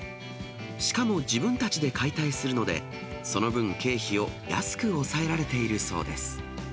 しかも自分たちで解体するので、その分、経費を安く抑えられているそうです。